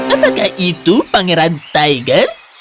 apakah itu pangeran tiger